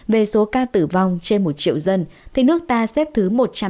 về số ca tử vong trên một triệu dân thì nước ta xếp thứ một trăm hai mươi